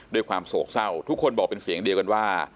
ด้วยความโศกเศร้าทุกคนบอกเป็นเสียงเดียวกันว่า